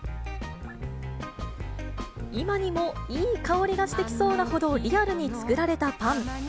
今にもいい香りがしてきそうなほど、リアルに作られたパン。